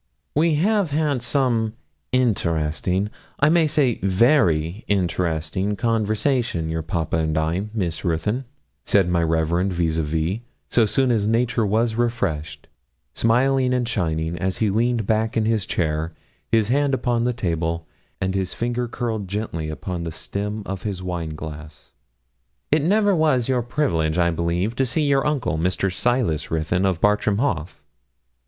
'We have had some interesting I may say very interesting conversation, your papa and I, Miss Ruthyn,' said my reverend vis à vis, so soon as nature was refreshed, smiling and shining, as he leaned back in his chair, his hand upon the table, and his finger curled gently upon the stem of his wine glass. 'It never was your privilege, I believe, to see your uncle, Mr. Silas Ruthyn, of Bartram Haugh?'